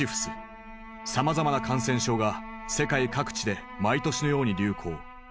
さまざまな感染症が世界各地で毎年のように流行。